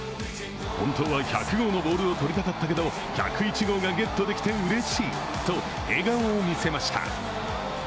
本当は１００号のボールを取りたかったけど１０１号がゲットできてうれしいと笑顔を見せました。